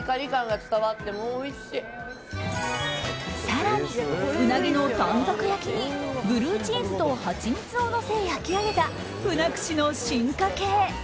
更に、うなぎの短冊焼きにブルーチーズとハチミツをのせ焼き上げたうな串の進化系